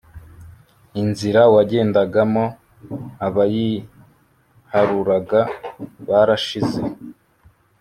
Inzira wagendagamo Abayiharuraga barashize